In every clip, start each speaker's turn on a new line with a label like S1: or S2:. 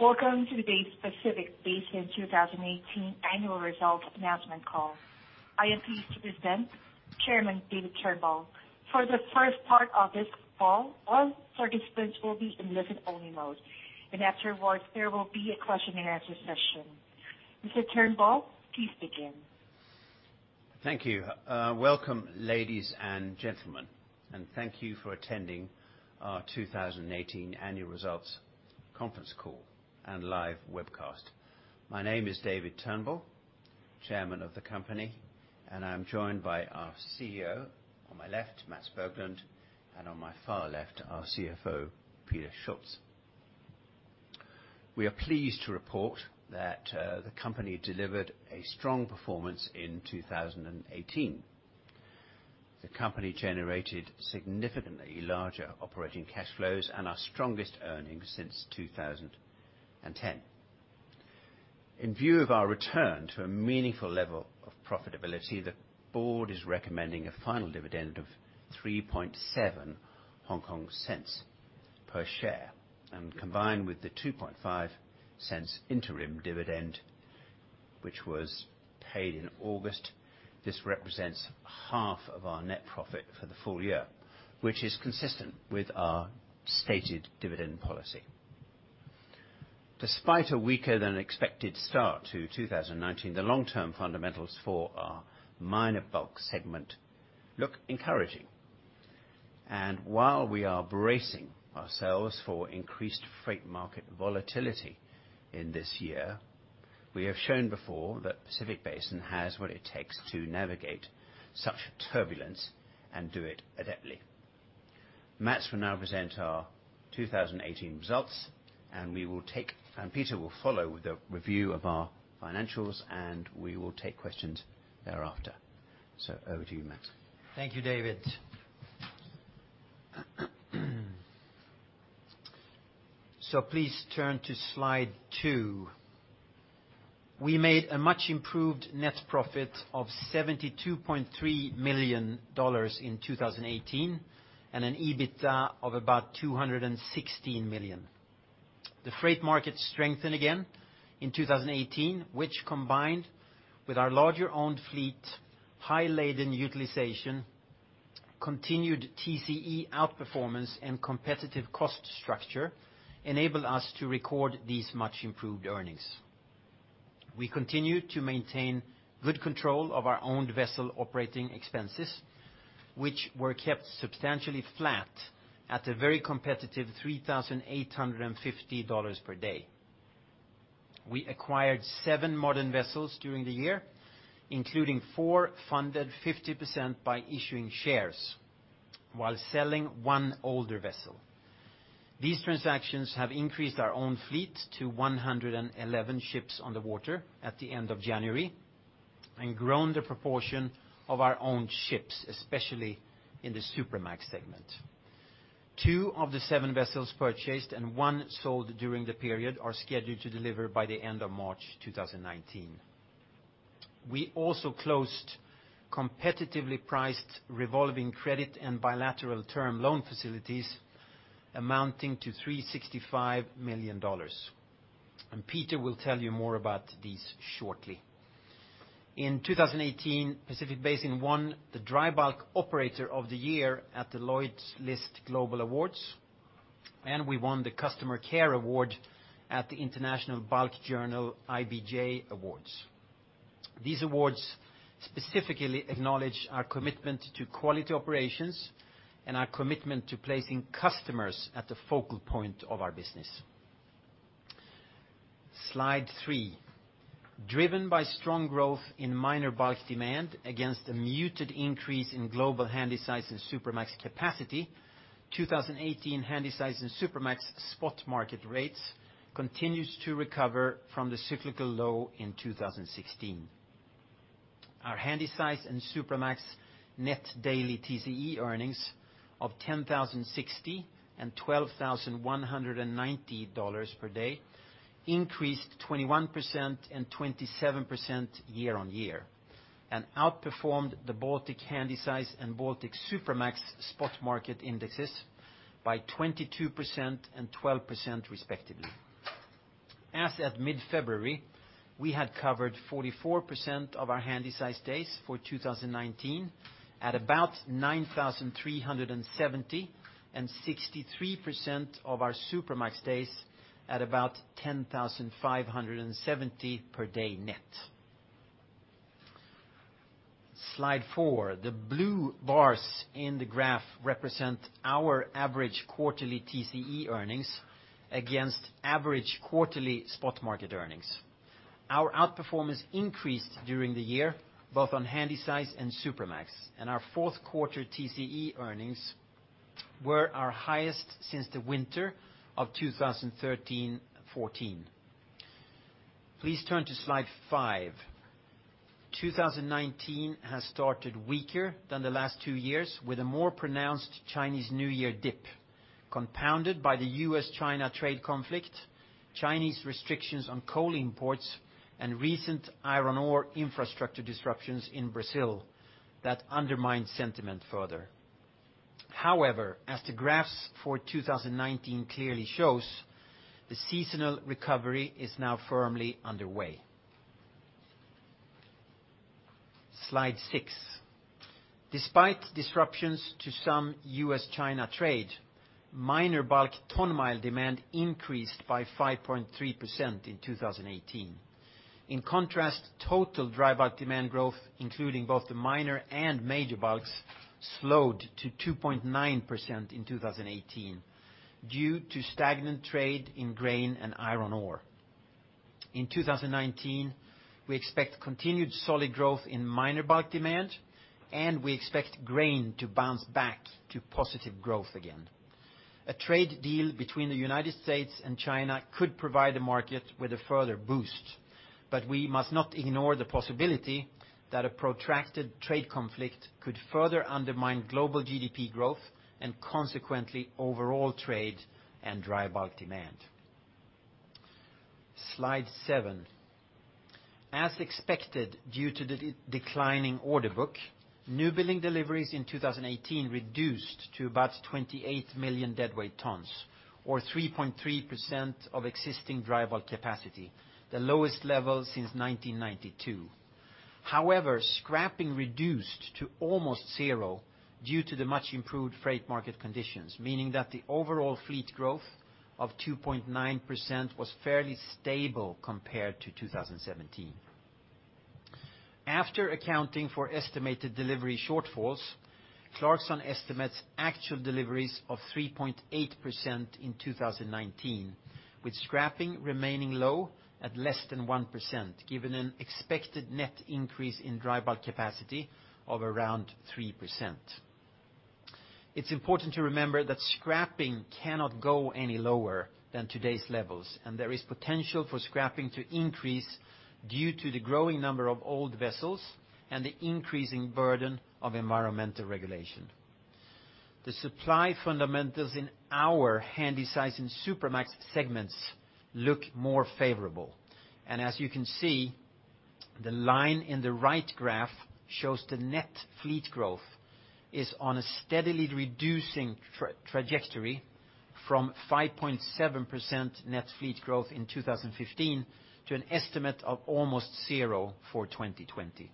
S1: Welcome to today's Pacific Basin 2018 annual results announcement call. I am pleased to present Chairman David Turnbull. For the first part of this call, all participants will be in listen only mode, and afterwards there will be a question and answer session. Mr. Turnbull, please begin.
S2: Thank you. Welcome, ladies and gentlemen, and thank you for attending our 2018 annual results conference call and live webcast. My name is David Turnbull, chairman of the company, and I am joined by our CEO on my left, Mats Berglund, and on my far left, our CFO, Peter Schulz. We are pleased to report that the company delivered a strong performance in 2018. The company generated significantly larger operating cash flows and our strongest earnings since 2010. In view of our return to a meaningful level of profitability, the board is recommending a final dividend of 0.037 per share, and combined with the 0.025 interim dividend, which was paid in August. This represents half of our net profit for the full year, which is consistent with our stated dividend policy. Despite a weaker than expected start to 2019, the long-term fundamentals for our minor bulk segment look encouraging. While we are bracing ourselves for increased freight market volatility in this year, we have shown before that Pacific Basin has what it takes to navigate such turbulence and do it adeptly. Mats will now present our 2018 results, and Peter will follow with a review of our financials, and we will take questions thereafter. Over to you, Mats.
S3: Thank you, David. Please turn to slide two. We made a much improved net profit of $72.3 million in 2018, and an EBITDA of about $216 million. The freight market strengthened again in 2018, which combined with our larger owned fleet, high laden utilization, continued TCE outperformance, and competitive cost structure, enabled us to record these much improved earnings. We continued to maintain good control of our owned vessel operating expenses, which were kept substantially flat at a very competitive $3,850 per day. We acquired seven modern vessels during the year, including four funded 50% by issuing shares while selling one older vessel. These transactions have increased our own fleet to 111 ships on the water at the end of January and grown the proportion of our own ships, especially in the Supramax segment. Two of the seven vessels purchased and one sold during the period are scheduled to deliver by the end of March 2019. We also closed competitively priced revolving credit and bilateral term loan facilities amounting to $365 million. Peter will tell you more about these shortly. In 2018, Pacific Basin won the Dry Bulk Operator of the Year at the Lloyd's List Global Awards, and we won the Customer Care Award at the International Bulk Journal IBJ Awards. These awards specifically acknowledge our commitment to quality operations and our commitment to placing customers at the focal point of our business. Slide three. Driven by strong growth in minor bulk demand against a muted increase in global Handysize and Supramax capacity, 2018 Handysize and Supramax spot market rates continues to recover from the cyclical low in 2016. Our Handysize and Supramax net daily TCE earnings of $10,060 and $12,190 per day increased 21% and 27% year-on-year, and outperformed the Baltic Handysize Index and Baltic Supramax Index spot market indexes by 22% and 12% respectively. As at mid-February, we had covered 44% of our Handysize days for 2019 at about 9,370 and 63% of our Supramax days at about 10,570 per day net. Slide four. The blue bars in the graph represent our average quarterly TCE earnings against average quarterly spot market earnings. Our outperformance increased during the year, both on Handysize and Supramax, and our fourth quarter TCE earnings were our highest since the winter of 2013, 2014. Please turn to slide five. 2019 has started weaker than the last two years with a more pronounced Chinese New Year dip, compounded by the U.S.-China trade conflict, Chinese restrictions on coal imports, and recent iron ore infrastructure disruptions in Brazil that undermined sentiment further. However, as the graphs for 2019 clearly shows, the seasonal recovery is now firmly underway. Slide six. Despite disruptions to some U.S.-China trade, minor bulk ton mile demand increased by 5.3% in 2018. In contrast, total dry bulk demand growth, including both the minor and major bulks, slowed to 2.9% in 2018 due to stagnant trade in grain and iron ore. In 2019, we expect continued solid growth in minor bulk demand, and we expect grain to bounce back to positive growth again. A trade deal between the United States and China could provide the market with a further boost, but we must not ignore the possibility that a protracted trade conflict could further undermine global GDP growth, and consequently overall trade and dry bulk demand. Slide seven. As expected, due to the declining order book, new building deliveries in 2018 reduced to about 28 million deadweight tons, or 3.3% of existing dry bulk capacity, the lowest level since 1992. However, scrapping reduced to almost zero due to the much improved freight market conditions, meaning that the overall fleet growth of 2.9% was fairly stable compared to 2017. After accounting for estimated delivery shortfalls, Clarksons estimates actual deliveries of 3.8% in 2019, with scrapping remaining low at less than 1%, given an expected net increase in dry bulk capacity of around 3%. It's important to remember that scrapping cannot go any lower than today's levels, and there is potential for scrapping to increase due to the growing number of old vessels and the increasing burden of environmental regulation. The supply fundamentals in our Handysize and Supramax segments look more favorable, and as you can see, the line in the right graph shows the net fleet growth is on a steadily reducing trajectory from 5.7% net fleet growth in 2015 to an estimate of almost zero for 2020.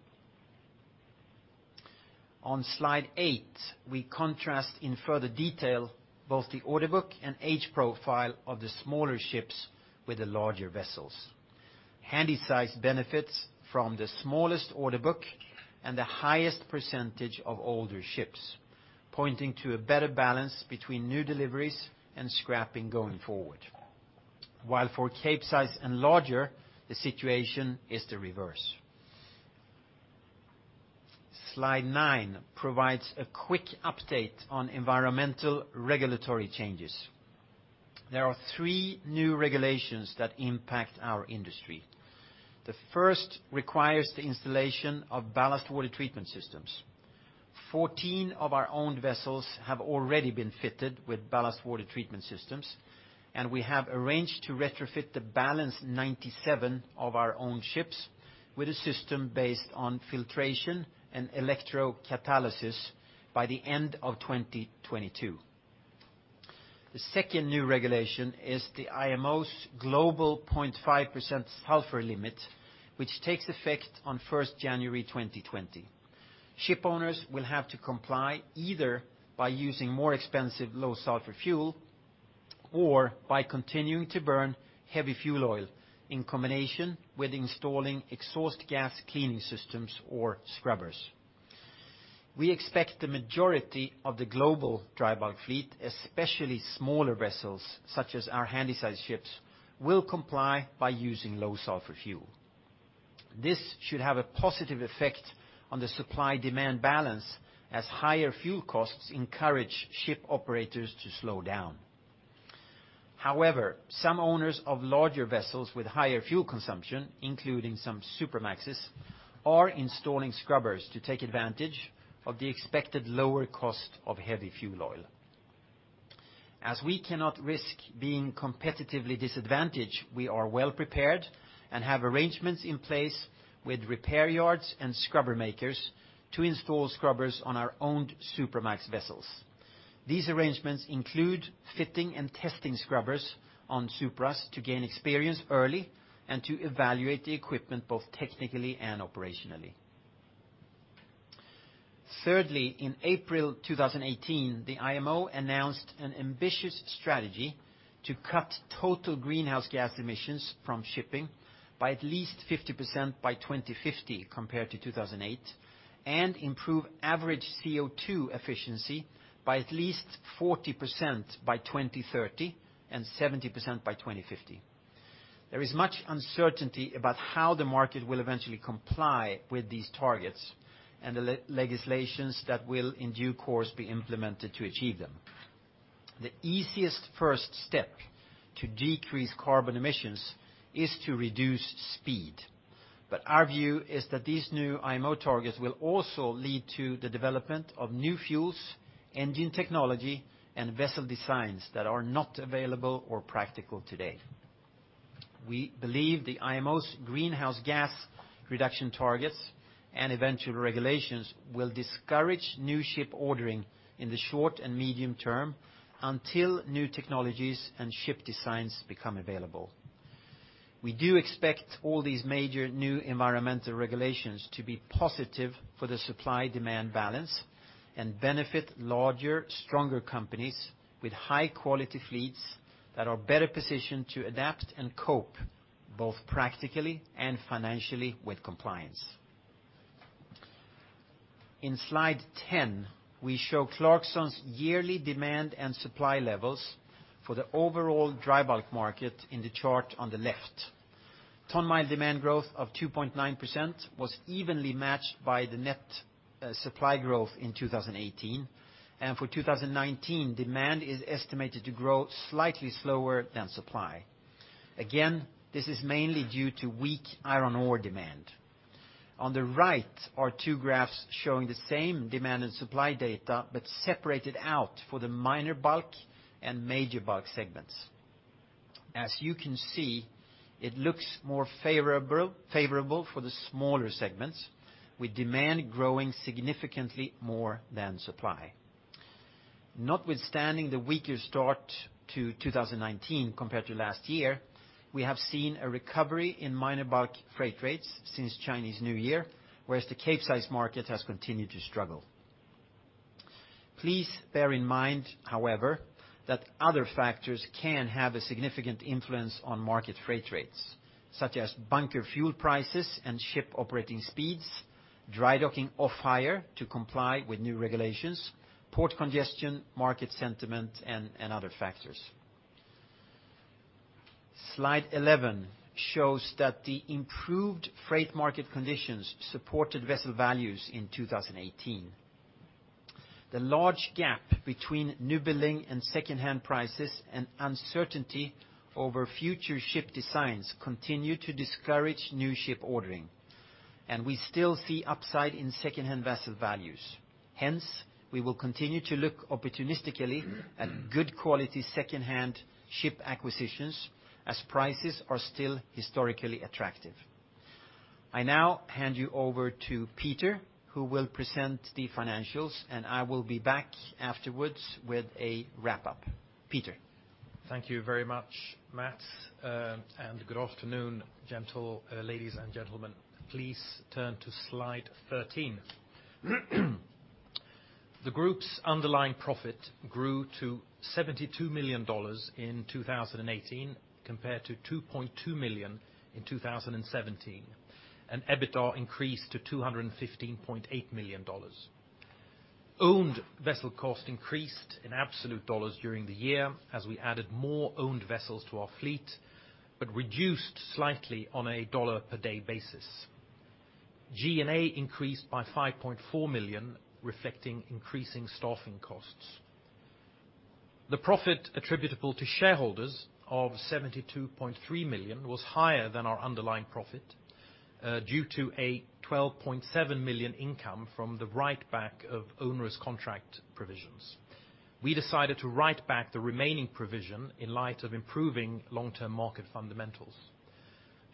S3: On slide eight, we contrast in further detail both the order book and age profile of the smaller ships with the larger vessels. Handysize benefits from the smallest order book and the highest percentage of older ships, pointing to a better balance between new deliveries and scrapping going forward. While for Capesize and larger, the situation is the reverse. Slide nine provides a quick update on environmental regulatory changes. There are three new regulations that impact our industry. The first requires the installation of ballast water treatment systems. 14 of our owned vessels have already been fitted with ballast water treatment systems, and we have arranged to retrofit the balance 97 of our owned ships with a system based on filtration and electrochlorination by the end of 2022. The second new regulation is the IMO's global 0.5% sulfur limit, which takes effect on 1st January 2020. Ship owners will have to comply either by using more expensive low sulfur fuel or by continuing to burn heavy fuel oil in combination with installing exhaust gas cleaning systems or scrubbers. We expect the majority of the global dry bulk fleet, especially smaller vessels such as our Handysize ships, will comply by using low sulfur fuel. This should have a positive effect on the supply-demand balance as higher fuel costs encourage ship operators to slow down. However, some owners of larger vessels with higher fuel consumption, including some Supramaxes, are installing scrubbers to take advantage of the expected lower cost of heavy fuel oil. As we cannot risk being competitively disadvantaged, we are well prepared and have arrangements in place with repair yards and scrubber makers to install scrubbers on our owned Supramax vessels. These arrangements include fitting and testing scrubbers on Supras to gain experience early and to evaluate the equipment both technically and operationally. Thirdly, in April 2018, the IMO announced an ambitious strategy to cut total greenhouse gas emissions from shipping by at least 50% by 2050, compared to 2008, and improve average CO2 efficiency by at least 40% by 2030 and 70% by 2050. There is much uncertainty about how the market will eventually comply with these targets and the legislations that will, in due course, be implemented to achieve them. The easiest first step to decrease carbon emissions is to reduce speed. Our view is that these new IMO targets will also lead to the development of new fuels, engine technology, and vessel designs that are not available or practical today. We believe the IMO's greenhouse gas reduction targets and eventual regulations will discourage new ship ordering in the short and medium term until new technologies and ship designs become available. We do expect all these major new environmental regulations to be positive for the supply-demand balance and benefit larger, stronger companies with high-quality fleets that are better positioned to adapt and cope, both practically and financially, with compliance. In slide 10, we show Clarksons' yearly demand and supply levels for the overall dry bulk market in the chart on the left. ton mile demand growth of 2.9% was evenly matched by the net supply growth in 2018. For 2019, demand is estimated to grow slightly slower than supply. Again, this is mainly due to weak iron ore demand. On the right are two graphs showing the same demand and supply data, but separated out for the minor bulk and major bulk segments. As you can see, it looks more favorable for the smaller segments, with demand growing significantly more than supply. Notwithstanding the weaker start to 2019 compared to last year, we have seen a recovery in minor bulk freight rates since Chinese New Year, whereas the Capesize market has continued to struggle. Please bear in mind, however, that other factors can have a significant influence on market freight rates, such as bunker fuel prices and ship operating speeds, dry docking off-hire to comply with new regulations, port congestion, market sentiment, and other factors. Slide 11 shows that the improved freight market conditions supported vessel values in 2018. The large gap between newbuilding and secondhand prices and uncertainty over future ship designs continue to discourage new ship ordering, and we still see upside in secondhand vessel values. Hence, we will continue to look opportunistically at good quality secondhand ship acquisitions as prices are still historically attractive. I now hand you over to Peter who will present the financials, and I will be back afterwards with a wrap-up. Peter.
S4: Thank you very much, Mats. Good afternoon, ladies and gentlemen. Please turn to slide 13. The group's underlying profit grew to $72 million in 2018 compared to $2.2 million in 2017, and EBITDA increased to $215.8 million. Owned vessel cost increased in absolute dollars during the year as we added more owned vessels to our fleet, but reduced slightly on a dollar-per-day basis. G&A increased by $5.4 million, reflecting increasing staffing costs. The profit attributable to shareholders of $72.3 million was higher than our underlying profit due to a $12.7 million income from the writeback of onerous contract provisions. We decided to write back the remaining provision in light of improving long-term market fundamentals.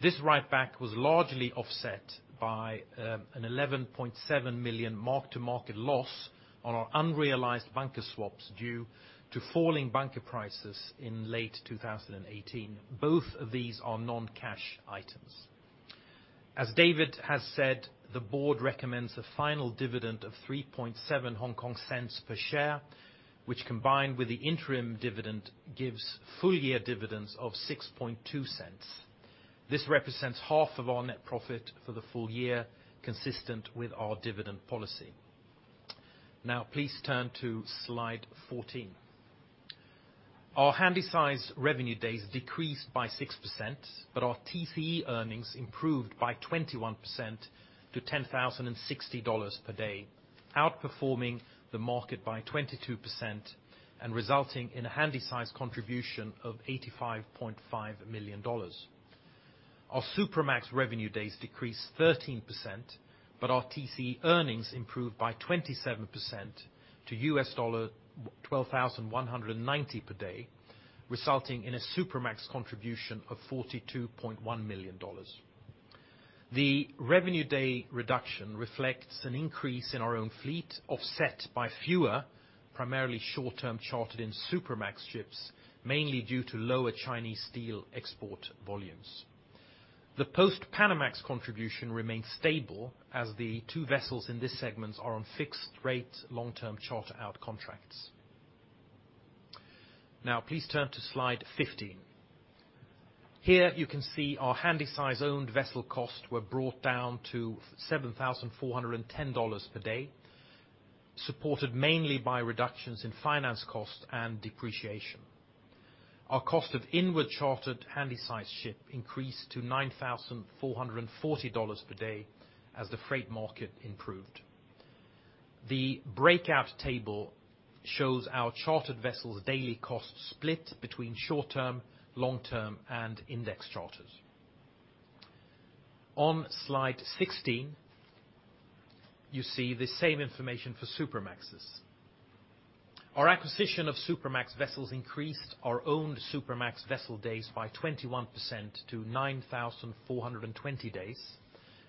S4: This write-back was largely offset by an $11.7 million mark-to-market loss on our unrealized bunker swaps due to falling bunker prices in late 2018. Both of these are non-cash items. As David has said, the board recommends a final dividend of 0.037 per share, which combined with the interim dividend gives full-year dividends of $0.062. This represents half of our net profit for the full year consistent with our dividend policy. Please turn to slide 14. Our Handysize revenue days decreased by 6%, but our TCE earnings improved by 21% to $10,060 per day, outperforming the market by 22% and resulting in a Handysize contribution of $85.5 million. Our Supramax revenue days decreased 13%, but our TCE earnings improved by 27% to $12,190 per day, resulting in a Supramax contribution of $42.1 million. The revenue day reduction reflects an increase in our own fleet, offset by fewer, primarily short-term chartered in Supramax ships, mainly due to lower Chinese steel export volumes. The Post-Panamax contribution remained stable as the two vessels in this segment are on fixed rates long-term charter out contracts. Now please turn to slide 15. Here you can see our Handysize owned vessel cost were brought down to $7,410 per day, supported mainly by reductions in finance cost and depreciation. Our cost of inward chartered Handysize ship increased to $9,440 per day as the freight market improved. The breakout table shows our chartered vessels daily cost split between short-term, long-term, and index charters. On slide 16, you see the same information for Supramaxes. Our acquisition of Supramax vessels increased our owned Supramax vessel days by 21% to 9,420 days,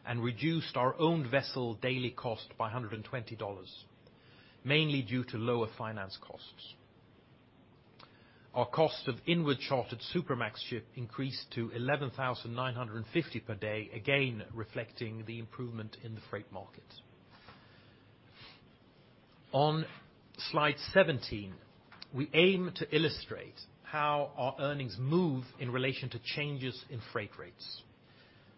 S4: and reduced our owned vessel daily cost by $120, mainly due to lower finance costs. Our cost of inward chartered Supramax ship increased to $11,950 per day, again, reflecting the improvement in the freight market. On slide 17, we aim to illustrate how our earnings move in relation to changes in freight rates.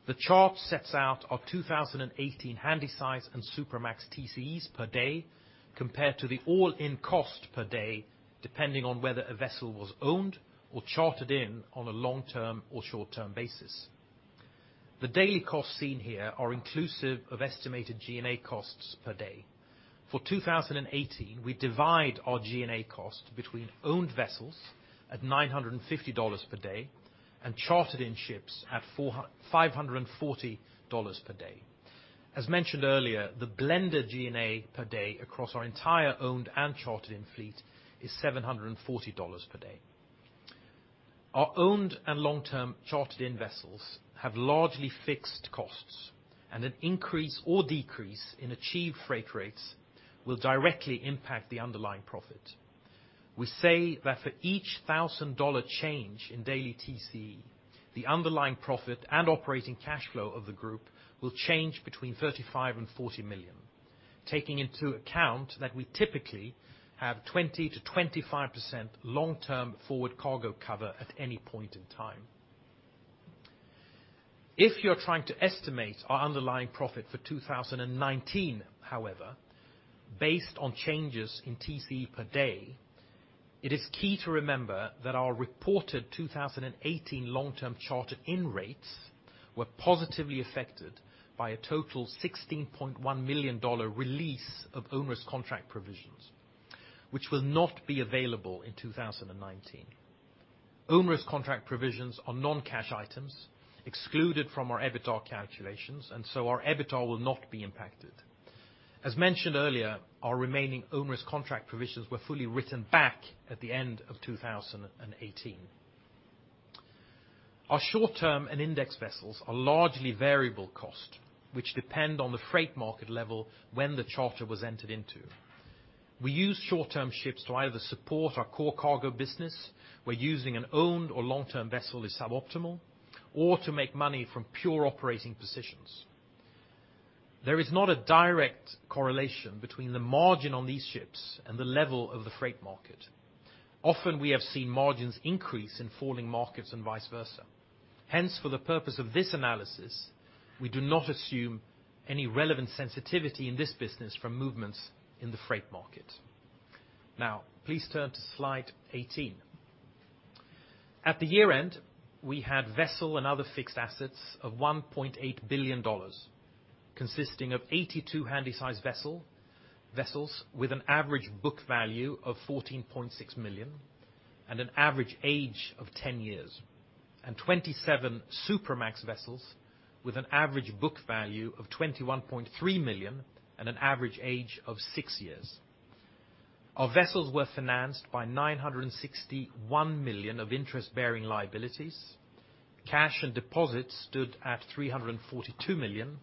S4: The chart sets out our 2018 Handysize and Supramax TCEs per day, compared to the all-in cost per day, depending on whether a vessel was owned or chartered in on a long-term or short-term basis. The daily costs seen here are inclusive of estimated G&A costs per day. For 2018, we divide our G&A cost between owned vessels at $950 per day, and chartered-in ships at $540 per day. As mentioned earlier, the blended G&A per day across our entire owned and chartered-in fleet is $740 per day. Our owned and long-term chartered-in vessels have largely fixed costs, and an increase or decrease in achieved freight rates will directly impact the underlying profit. We say that for each $1,000 change in daily TCE, the underlying profit and operating cash flow of the group will change between $35 million and $40 million, taking into account that we typically have 20%-25% long-term forward cargo cover at any point in time. If you're trying to estimate our underlying profit for 2019, however, based on changes in TCE per day, it is key to remember that our reported 2018 long-term chartered-in rates were positively affected by a total $16.1 million release of onerous contract provisions, which will not be available in 2019. Onerous contract provisions are non-cash items excluded from our EBITDA calculations, and so our EBITDA will not be impacted. As mentioned earlier, our remaining onerous contract provisions were fully written back at the end of 2018. Our short-term and index vessels are largely variable cost, which depend on the freight market level when the charter was entered into. We use short-term ships to either support our core cargo business, where using an owned or long-term vessel is suboptimal, or to make money from pure operating positions. There is not a direct correlation between the margin on these ships and the level of the freight market. Often, we have seen margins increase in falling markets and vice versa. Hence, for the purpose of this analysis, we do not assume any relevant sensitivity in this business from movements in the freight market. Now, please turn to slide 18. At the year-end, we had vessel and other fixed assets of $1.8 billion, consisting of 82 Handysize vessels with an average book value of $14.6 million, and an average age of 10 years. 27 Supramax vessels with an average book value of $21.3 million, and an average age of six years. Our vessels were financed by $961 million of interest-bearing liabilities. Cash and deposits stood at $342 million,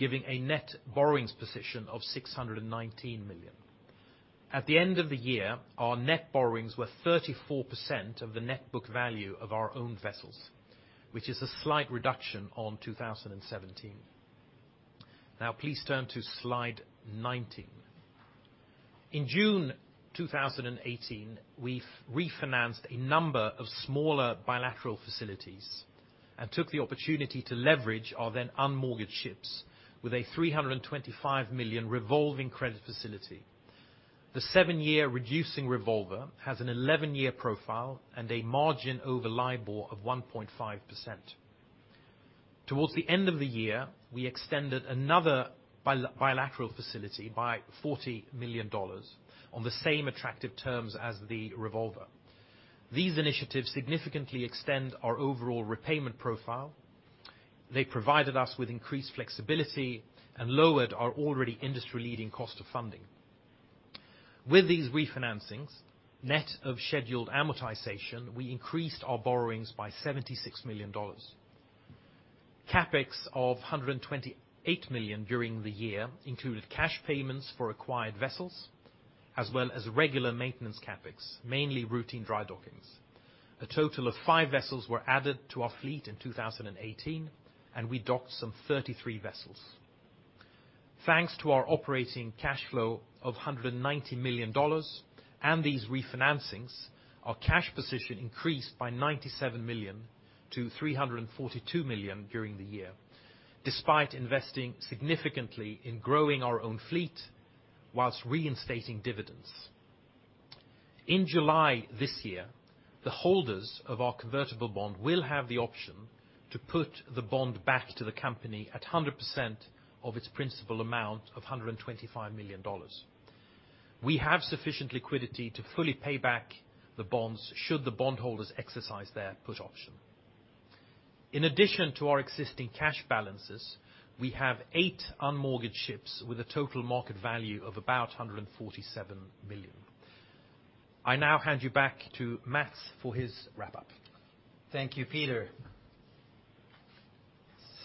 S4: giving a net borrowings position of $619 million. At the end of the year, our net borrowings were 34% of the net book value of our owned vessels, which is a slight reduction on 2017. Please turn to slide 19. In June 2018, we refinanced a number of smaller bilateral facilities and took the opportunity to leverage our then unmortgaged ships with a $325 million revolving credit facility. The 7-year reducing revolver has an 11-year profile and a margin over LIBOR of 1.5%. Towards the end of the year, we extended another bilateral facility by $40 million on the same attractive terms as the revolver. These initiatives significantly extend our overall repayment profile. They provided us with increased flexibility and lowered our already industry-leading cost of funding. With these refinancings, net of scheduled amortization, we increased our borrowings by $76 million. CapEx of $128 million during the year included cash payments for acquired vessels, as well as regular maintenance CapEx, mainly routine dry dockings. A total of five vessels were added to our fleet in 2018, and we docked some 33 vessels. Thanks to our operating cash flow of $190 million and these refinancings, our cash position increased by $97 million to $342 million during the year, despite investing significantly in growing our own fleet whilst reinstating dividends. In July this year, the holders of our convertible bond will have the option to put the bond back to the company at 100% of its principal amount of $125 million. We have sufficient liquidity to fully pay back the bonds, should the bondholders exercise their put option. In addition to our existing cash balances, we have eight unmortgaged ships with a total market value of about $147 million. I hand you back to Mats for his wrap-up.
S3: Thank you, Peter.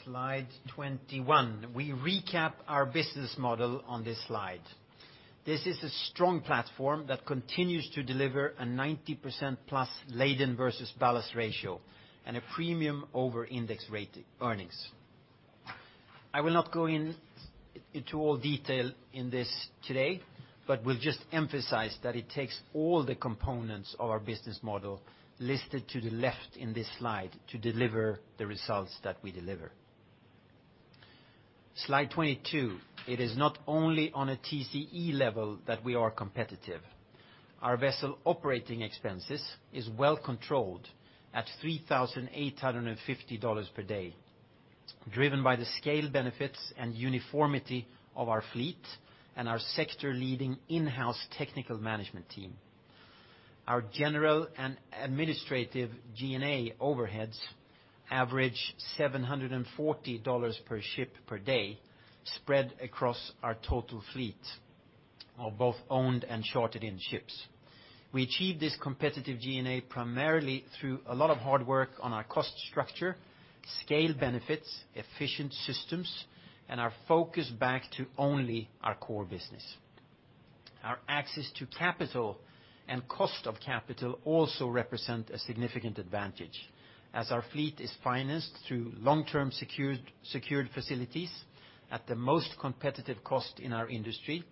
S3: Slide 21. We recap our business model on this slide. This is a strong platform that continues to deliver a 90% plus laden versus ballast ratio and a premium over index rate earnings. I will not go into all detail in this today, but will just emphasize that it takes all the components of our business model listed to the left in this slide to deliver the results that we deliver. Slide 22. It is not only on a TCE level that we are competitive. Our vessel operating expenses is well controlled at $3,850 per day, driven by the scale benefits and uniformity of our fleet and our sector-leading in-house technical management team. Our general and administrative G&A overheads average $740 per ship per day, spread across our total fleet of both owned and chartered in ships. We achieve this competitive G&A primarily through a lot of hard work on our cost structure, scale benefits, efficient systems, and our focus back to only our core business. Our access to capital and cost of capital also represent a significant advantage as our fleet is financed through long-term secured facilities at the most competitive cost in our industry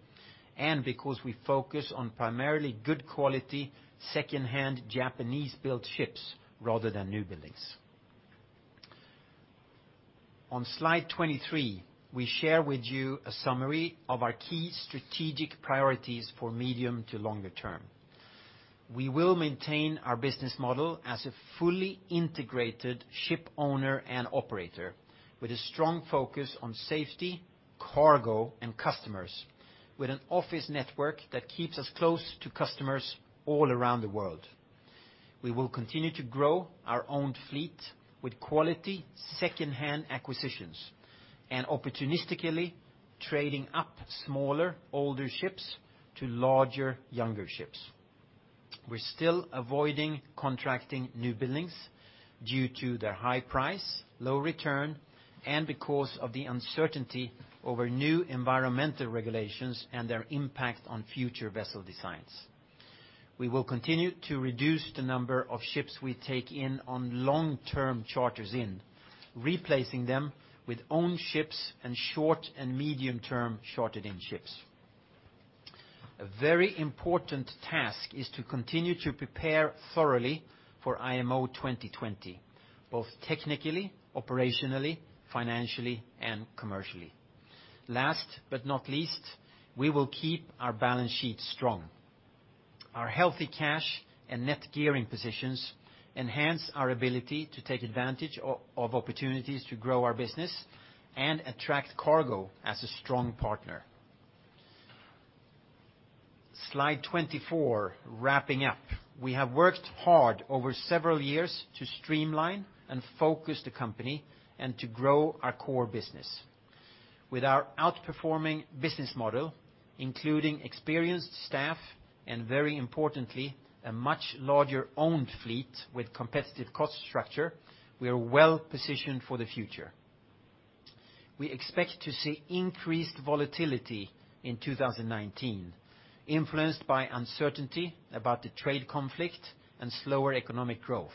S3: and because we focus on primarily good quality, second-hand Japanese-built ships rather than newbuildings. On Slide 23, we share with you a summary of our key strategic priorities for medium to longer term. We will maintain our business model as a fully integrated ship owner and operator with a strong focus on safety, cargo, and customers, with an office network that keeps us close to customers all around the world. We will continue to grow our own fleet with quality second-hand acquisitions and opportunistically trading up smaller, older ships to larger, younger ships. We're still avoiding contracting newbuildings due to their high price, low return, and because of the uncertainty over new environmental regulations and their impact on future vessel designs. We will continue to reduce the number of ships we take in on long-term charters in, replacing them with owned ships and short- and medium-term chartered-in ships. A very important task is to continue to prepare thoroughly for IMO 2020, both technically, operationally, financially, and commercially. Last but not least, we will keep our balance sheet strong. Our healthy cash and net gearing positions enhance our ability to take advantage of opportunities to grow our business and attract cargo as a strong partner. Slide 24, wrapping up. We have worked hard over several years to streamline and focus the company and to grow our core business. With our outperforming business model, including experienced staff and, very importantly, a much larger owned fleet with competitive cost structure, we are well-positioned for the future. We expect to see increased volatility in 2019 influenced by uncertainty about the trade conflict and slower economic growth,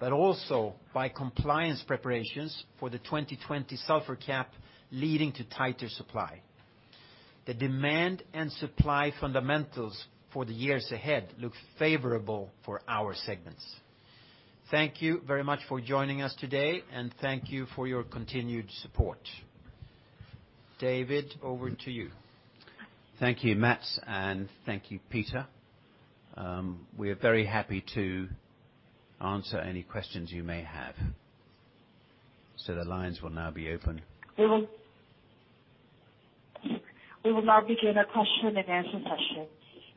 S3: but also by compliance preparations for the 2020 sulfur cap, leading to tighter supply. The demand and supply fundamentals for the years ahead look favorable for our segments. Thank you very much for joining us today, and thank you for your continued support. David, over to you.
S2: Thank you, Mats, and thank you, Peter. We are very happy to answer any questions you may have. The lines will now be open.
S1: We will now begin a question and answer session.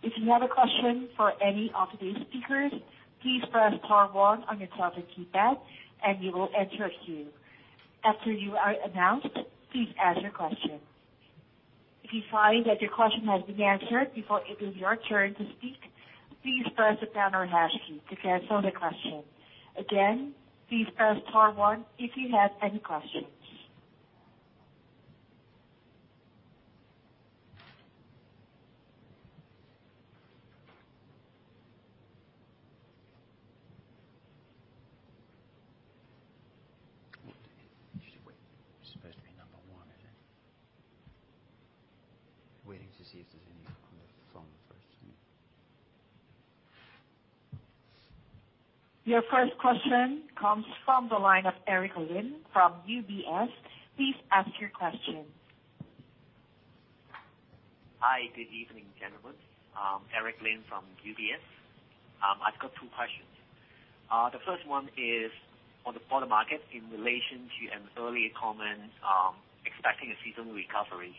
S1: If you have a question for any of today's speakers, please press star one on your telephone keypad and you will enter a queue. After you are announced, please ask your question. If you find that your question has been answered before it is your turn to speak, please press the pound or hash key to cancel the question. Again, please press star one if you have any questions.
S2: It's supposed to be number one, isn't it?
S3: Waiting to see if there's any on the phone first.
S1: Your first question comes from the line of Eric Lin from UBS. Please ask your question.
S5: Hi. Good evening, gentlemen. Eric Lin from UBS. The first one is on the bulk market in relation to an earlier comment, expecting a seasonal recovery.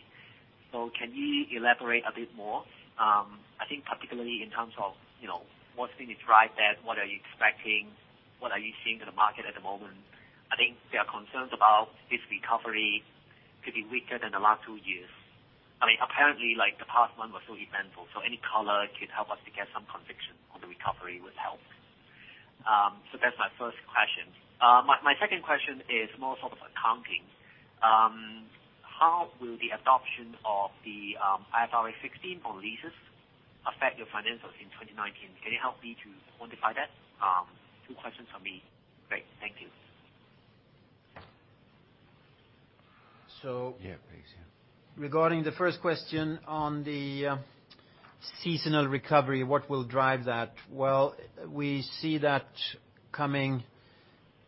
S5: Can you elaborate a bit more? I think particularly in terms of what's going to drive that, what are you expecting, what are you seeing in the market at the moment? I think there are concerns about this recovery could be weaker than the last two years. Apparently, the past one was really eventful, so any color could help us to get some conviction on the recovery would help. That's my first question. My second question is more sort of accounting. How will the adoption of the IFRS 16 on leases affect your financials in 2019? Can you help me to quantify that? Two questions from me. Great. Thank you.
S3: So-
S4: Yeah, please. Yeah.
S3: Regarding the first question on the seasonal recovery, what will drive that? We see that coming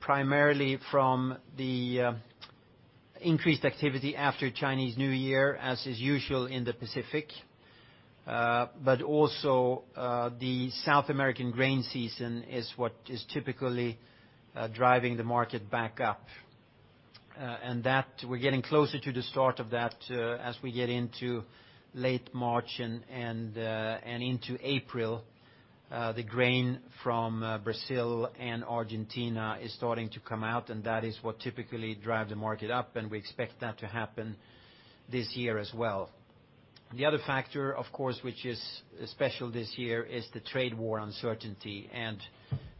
S3: primarily from the increased activity after Chinese New Year, as is usual in the Pacific. Also, the South American grain season is what is typically driving the market back up. That we're getting closer to the start of that as we get into late March and into April. The grain from Brazil and Argentina is starting to come out, and that is what typically drive the market up, and we expect that to happen this year as well. The other factor, of course, which is special this year, is the trade war uncertainty.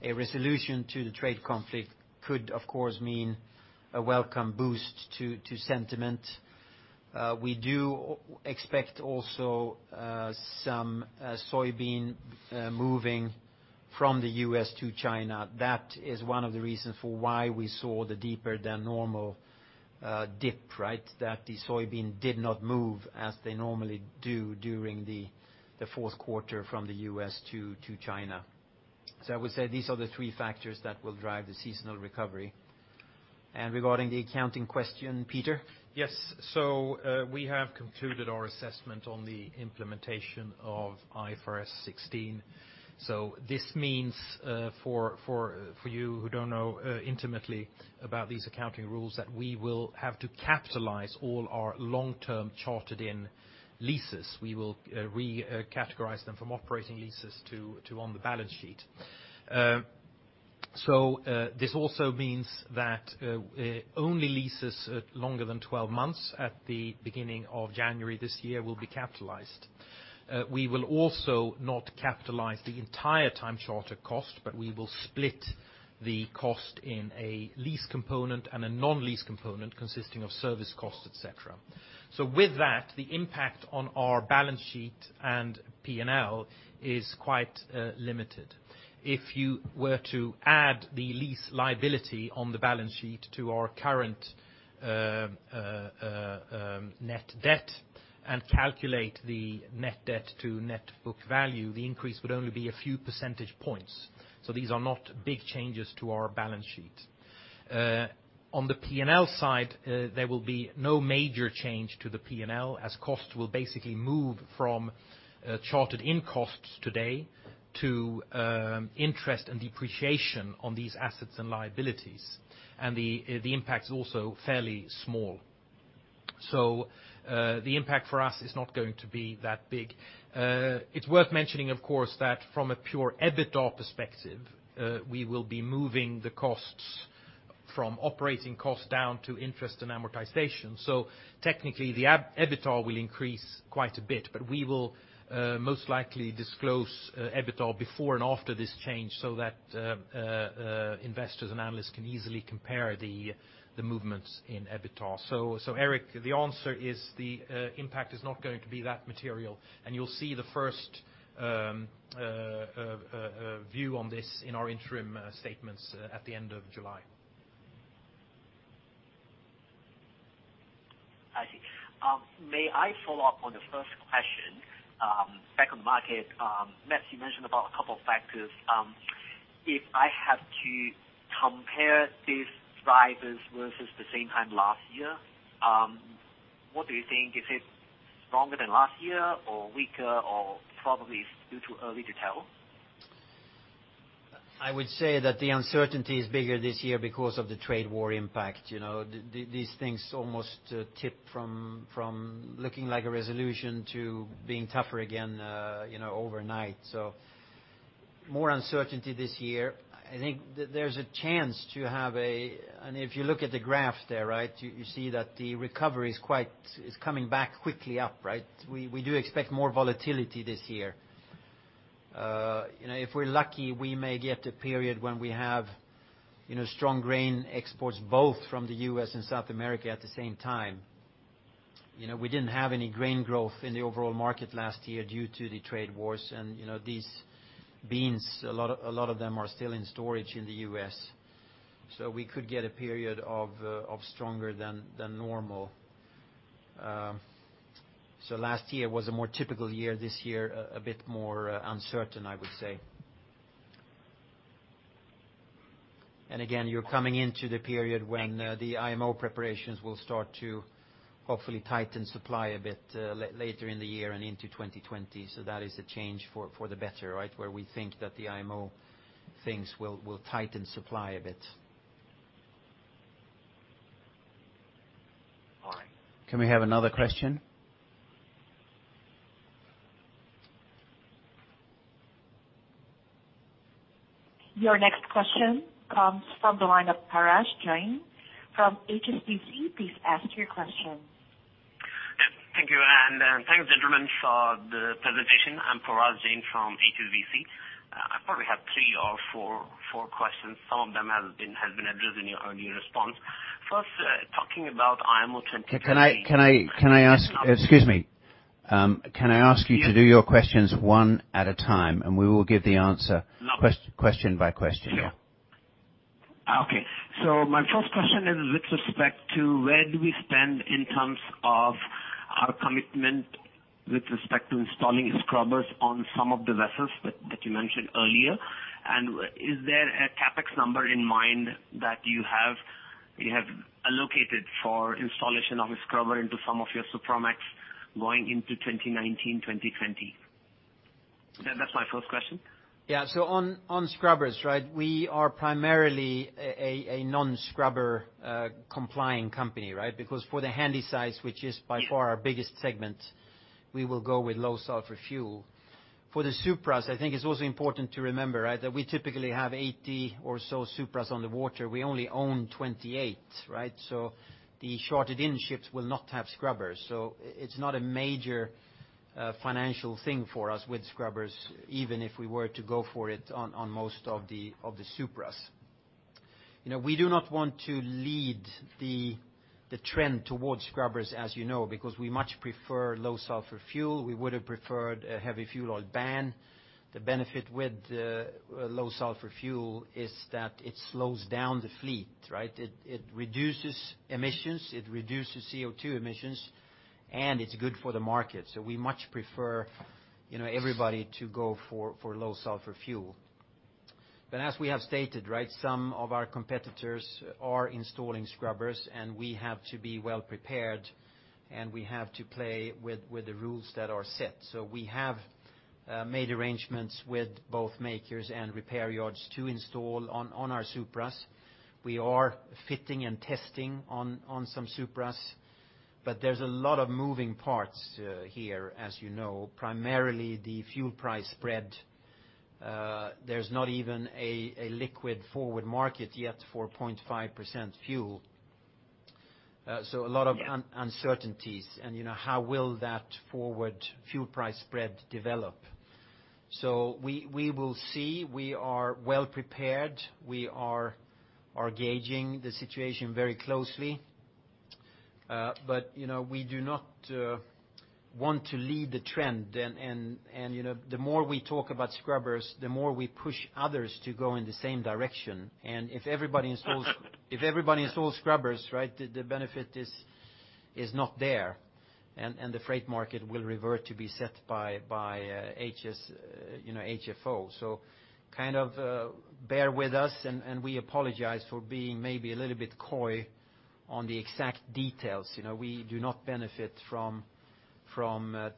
S3: A resolution to the trade conflict could, of course, mean a welcome boost to sentiment. We do expect also some soybean moving from the U.S. to China. That is one of the reasons for why we saw the deeper than normal dip, right? That the soybean did not move as they normally do during the fourth quarter from the U.S. to China. I would say these are the three factors that will drive the seasonal recovery. Regarding the accounting question, Peter?
S4: Yes. We have concluded our assessment on the implementation of IFRS 16. This means, for you who don't know intimately about these accounting rules, that we will have to capitalize all our long-term chartered-in leases. We will recategorize them from operating leases to on the balance sheet. This also means that only leases longer than 12 months at the beginning of January this year will be capitalized. We will also not capitalize the entire time charter cost, but we will split the cost in a lease component and a non-lease component consisting of service costs, et cetera. With that, the impact on our balance sheet and P&L is quite limited. If you were to add the lease liability on the balance sheet to our current net debt and calculate the net debt to net book value, the increase would only be a few percentage points. These are not big changes to our balance sheet. On the P&L side, there will be no major change to the P&L, as costs will basically move from chartered-in costs today to interest and depreciation on these assets and liabilities, and the impact is also fairly small. The impact for us is not going to be that big. It's worth mentioning, of course, that from a pure EBITDA perspective, we will be moving the costs from operating costs down to interest and amortization. Technically, the EBITDA will increase quite a bit. We will most likely disclose EBITDA before and after this change so that investors and analysts can easily compare the movements in EBITDA. Eric, the answer is the impact is not going to be that material, and you'll see the first view on this in our interim statements at the end of July.
S5: I see. May I follow up on the first question, back on the market? Mats, you mentioned about a couple of factors. If I have to compare these drivers versus the same time last year, what do you think? Is it stronger than last year or weaker, or probably it's still too early to tell?
S3: I would say that the uncertainty is bigger this year because of the trade war impact. These things almost tip from looking like a resolution to being tougher again overnight. More uncertainty this year. If you look at the graph there, right? You see that the recovery is coming back quickly up, right? We do expect more volatility this year. If we're lucky, we may get a period when we have strong grain exports both from the U.S. and South America at the same time. We didn't have any grain growth in the overall market last year due to the trade wars. These beans, a lot of them are still in storage in the U.S. We could get a period of stronger than normal. Last year was a more typical year. This year, a bit more uncertain, I would say. Again, you're coming into the period when the IMO preparations will start to hopefully tighten supply a bit later in the year and into 2020. That is a change for the better, where we think that the IMO things will tighten supply a bit.
S5: All right.
S6: Can we have another question?
S1: Your next question comes from the line of Parash Jain from HSBC. Please ask your question.
S6: Yes, thank you. Thanks, gentlemen, for the presentation. I'm Parash Jain from HSBC. I probably have three or four questions. Some of them have been addressed in your earlier response. First, talking about IMO-
S2: Excuse me. Can I ask you to do your questions one at a time, and we will give the answer question by question?
S6: Sure. Okay. My first question is with respect to where do we stand in terms of our commitment with respect to installing scrubbers on some of the vessels that you mentioned earlier? Is there a CapEx number in mind that you have allocated for installation of a scrubber into some of your Supramax going into 2019, 2020? That's my first question.
S3: Yeah. On scrubbers, we are primarily a non-scrubber complying company. For the Handysize, which is by far our biggest segment, we will go with low sulfur fuel. For the Supras, I think it's also important to remember that we typically have 80 or so Supras on the water. We only own 28. The chartered-in ships will not have scrubbers. It's not a major financial thing for us with scrubbers, even if we were to go for it on most of the Supras. We do not want to lead the trend towards scrubbers, as you know, because we much prefer low sulfur fuel. We would have preferred a heavy fuel oil ban. The benefit with low sulfur fuel is that it slows down the fleet. It reduces emissions, it reduces CO2 emissions, and it's good for the market. We much prefer everybody to go for low sulfur fuel. As we have stated, some of our competitors are installing scrubbers, and we have to be well prepared, and we have to play with the rules that are set. We have made arrangements with both makers and repair yards to install on our Supras. We are fitting and testing on some Supras, but there's a lot of moving parts here, as you know, primarily the fuel price spread. There's not even a liquid forward market yet for 0.5% fuel. A lot of uncertainties and how will that forward fuel price spread develop. We will see. We are well prepared. We are gauging the situation very closely. We do not want to lead the trend. The more we talk about scrubbers, the more we push others to go in the same direction. If everybody installs scrubbers, the benefit is not there, and the freight market will revert to be set by HFO. Bear with us, and we apologize for being maybe a little bit coy on the exact details. We do not benefit from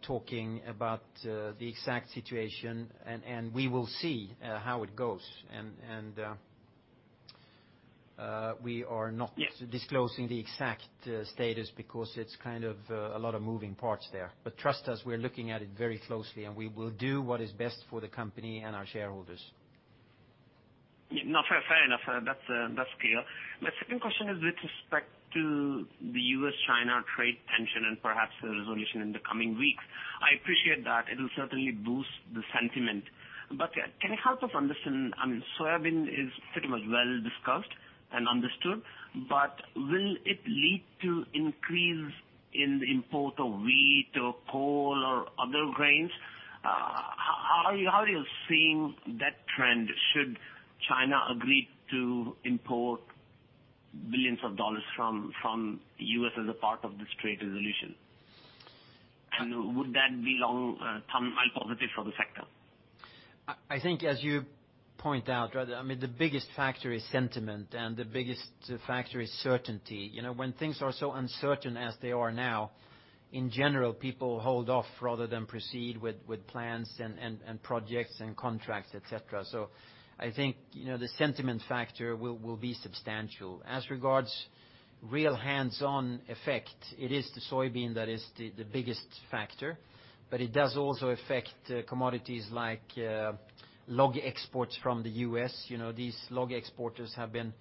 S3: talking about the exact situation, and we will see how it goes. We are not disclosing the exact status because it's a lot of moving parts there. Trust us, we are looking at it very closely, and we will do what is best for the company and our shareholders.
S6: Yeah. No, fair enough. That's clear. My second question is with respect to the U.S.-China trade tension and perhaps a resolution in the coming weeks. I appreciate that it will certainly boost the sentiment, but can you help us understand, soybean is pretty much well discussed and understood, but will it lead to increase in the import of wheat or coal or other grains? How are you seeing that trend should China agree to import billions of dollars from the U.S. as a part of this trade resolution? Would that be long-term positive for the sector?
S3: I think as you point out, the biggest factor is sentiment, and the biggest factor is certainty. When things are so uncertain as they are now, in general, people hold off rather than proceed with plans and projects and contracts, et cetera. I think, the sentiment factor will be substantial. As regards real hands-on effect, it is the soybean that is the biggest factor, but it does also affect commodities like log exports from the U.S. These log exporters have been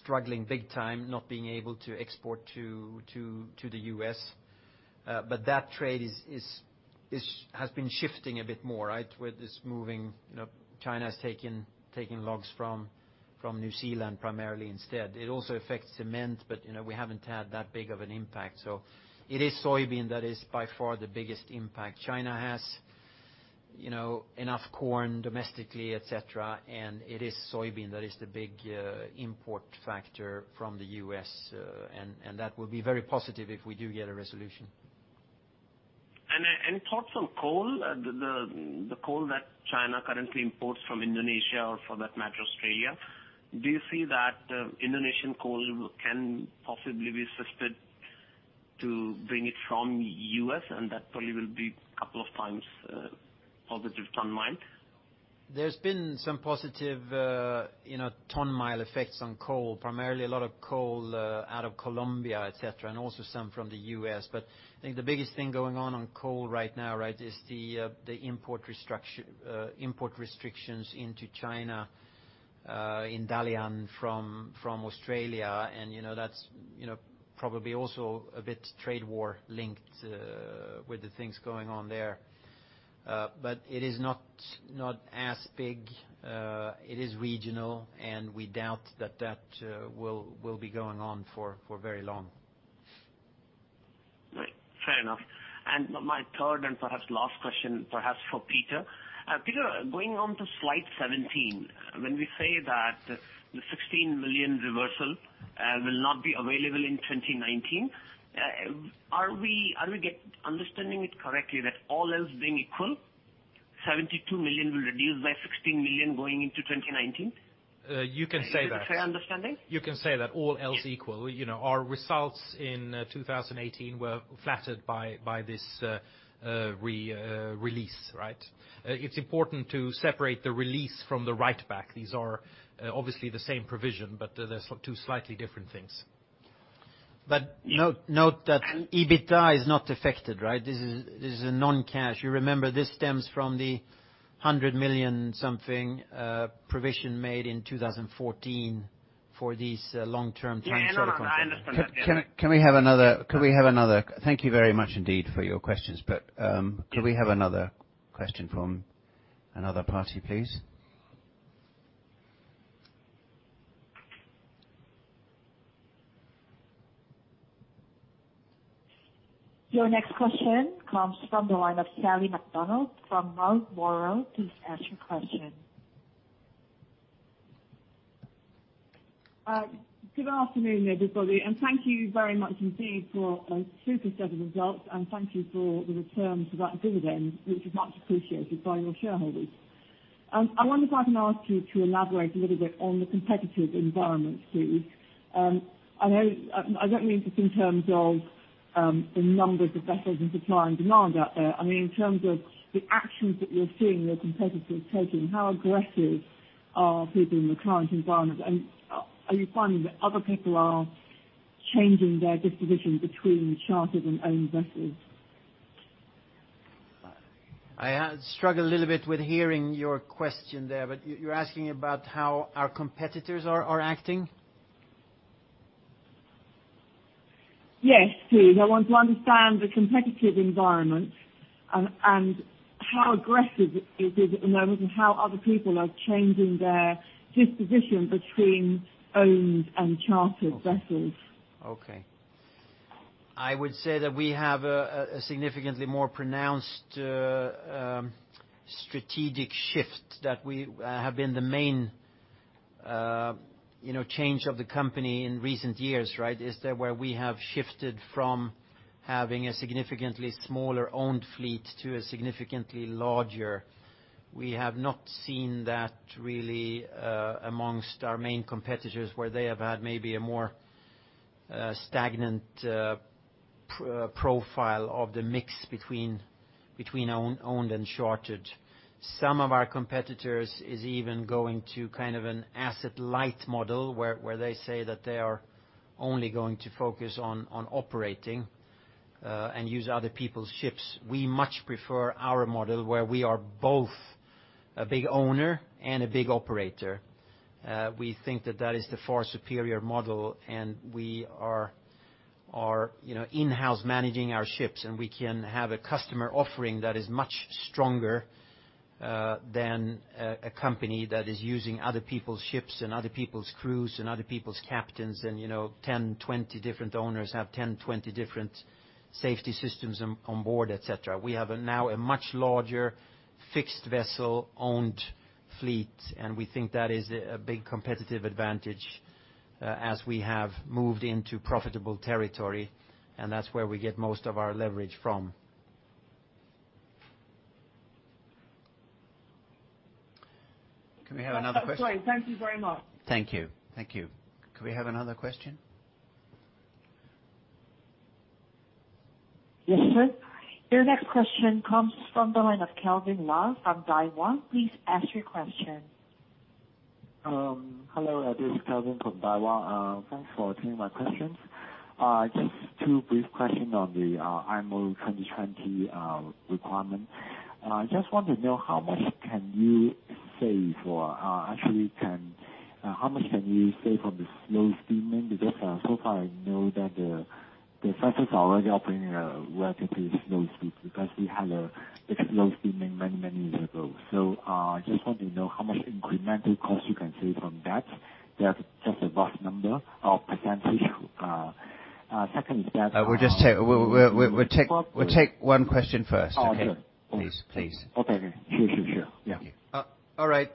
S3: struggling big time, not being able to export to the U.S. That trade has been shifting a bit more. China has taken logs from New Zealand primarily instead. It also affects cement, but we haven't had that big of an impact. It is soybean that is by far the biggest impact. China has enough corn domestically, et cetera. It is soybean that is the big import factor from the U.S., that will be very positive if we do get a resolution.
S6: Thoughts on coal, the coal that China currently imports from Indonesia or for that matter Australia, do you see that Indonesian coal can possibly be assisted to bring it from U.S. that probably will be couple of times positive ton mile?
S3: There's been some positive ton mile effects on coal, primarily a lot of coal out of Colombia, et cetera, also some from the U.S. I think the biggest thing going on on coal right now is the import restrictions into China in Dalian from Australia. That's probably also a bit trade war linked with the things going on there. It is not as big. It is regional and we doubt that that will be going on for very long.
S6: Right. Fair enough. My third and perhaps last question perhaps for Peter. Peter, going on to slide 17, when we say that the $16 million reversal will not be available in 2019, are we understanding it correctly that all else being equal, $72 million will reduce by $16 million going into 2019?
S4: You can say that.
S6: Is this a fair understanding?
S4: You can say that all else equal. Our results in 2018 were flattered by this release, right? It is important to separate the release from the write back. These are obviously the same provision, but they're two slightly different things.
S3: Note that EBITDA is not affected, right? This is a non-cash. You remember this stems from the $100 million something provision made in 2014 for these long-term charter contracts.
S6: Yeah, I understand that, yeah.
S2: Thank you very much indeed for your questions, but, can we have another question from another party please?
S1: Your next question comes from the line of Sally MacDonald from Marlborough. Please ask your question.
S7: Good afternoon, everybody, and thank you very much indeed for a super set of results, and thank you for the return to that dividend, which is much appreciated by your shareholders. I wonder if I can ask you to elaborate a little bit on the competitive environment please. I don't mean just in terms of the numbers of vessels and supply and demand out there. In terms of the actions that you are seeing your competitors taking, how aggressive are people in the current environment, and are you finding that other people are changing their disposition between chartered and owned vessels?
S3: I struggle a little bit with hearing your question there, you're asking about how our competitors are acting?
S7: Yes, please. I want to understand the competitive environment and how aggressive it is at the moment and how other people are changing their disposition between owned and chartered vessels.
S3: Okay. I would say that we have a significantly more pronounced strategic shift that we have been the main change of the company in recent years, where we have shifted from having a significantly smaller owned fleet to a significantly larger. We have not seen that really amongst our main competitors where they have had maybe a more stagnant profile of the mix between owned and chartered. Some of our competitors is even going to kind of an asset light model where they say that they are only going to focus on operating, and use other people's ships. We much prefer our model where we are both a big owner and a big operator. We think that that is the far superior model and we are in-house managing our ships, and we can have a customer offering that is much stronger than a company that is using other people's ships and other people's crews and other people's captains and 10, 20 different owners have 10, 20 different safety systems on board, et cetera. We have now a much larger fixed vessel owned fleet, and we think that is a big competitive advantage, as we have moved into profitable territory, and that's where we get most of our leverage from.
S2: Can we have another question?
S7: That's absolutely. Thank you very much.
S2: Thank you. Could we have another question?
S1: Yes, sir. Your next question comes from the line of Kelvin Lau from Daiwa. Please ask your question.
S8: Hello, this is Calvin from Daiwa. Thanks for taking my questions. Just two brief questions on the IMO 2020 requirement. I just want to know how much can you save from the slow steaming because, so far I know that the vessels are already operating a relatively slow speed because we had a slow steaming many years ago. I just want to know how much incremental cost you can save from that. That's just a rough number or percentage. Second is that-
S2: We'll take one question first.
S8: Okay.
S2: Please.
S8: Okay. Sure. Yeah.
S3: All right.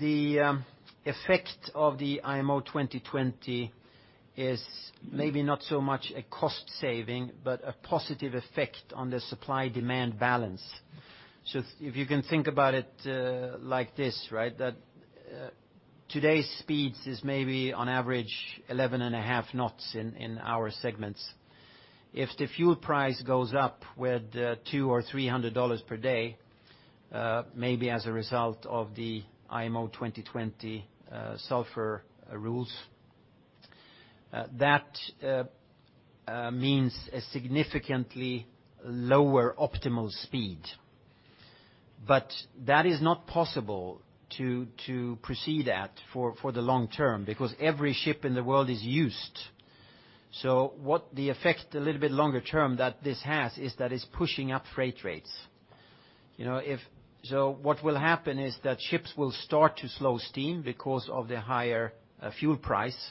S3: The effect of the IMO 2020 is maybe not so much a cost saving, but a positive effect on the supply-demand balance. If you can think about it like this, that today's speeds is maybe on average 11 and a half knots in our segments. If the fuel price goes up with $200 or $300 per day, maybe as a result of the IMO 2020 sulfur rules, that means a significantly lower optimal speed. That is not possible to proceed at for the long term because every ship in the world is used. What the effect a little bit longer term that this has is that it's pushing up freight rates. What will happen is that ships will start to slow steam because of the higher fuel price.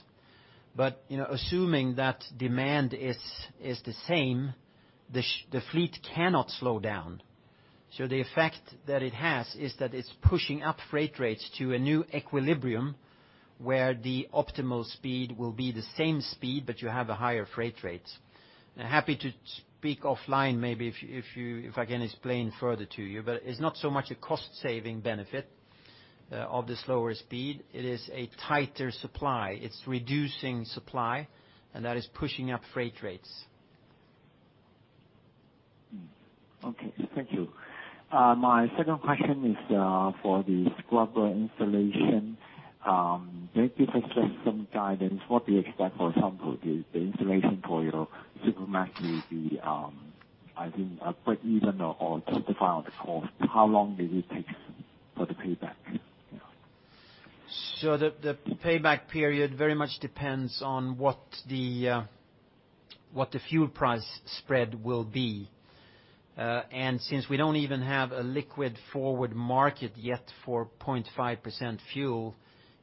S3: Assuming that demand is the same, the fleet cannot slow down. The effect that it has is that it's pushing up freight rates to a new equilibrium, where the optimal speed will be the same speed, but you have higher freight rates. Happy to speak offline, maybe if I can explain further to you, but it's not so much a cost saving benefit of the slower speed, it is a tighter supply. It's reducing supply, and that is pushing up freight rates.
S8: Okay, thank you. My second question is for the scrubber installation. Maybe if it's just some guidance, what do you expect, for example, the installation for your Supramax will be, I think, a break even or just the final cost, how long will it take for the payback?
S3: The payback period very much depends on what the fuel price spread will be. Since we don't even have a liquid forward market yet for 0.5% fuel,